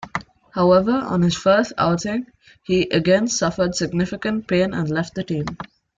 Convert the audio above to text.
However, on his first outing he again suffered significant pain and left the team.